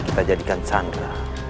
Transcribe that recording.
kita jadikan sangra